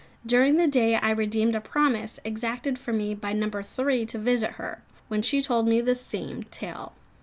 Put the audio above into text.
During the day I redeemed a promise exacted from me by No. 3 to visit her, when she told me the same tale.